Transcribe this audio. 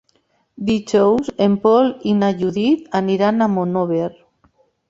Dijous en Pol i na Judit aniran a Monòver.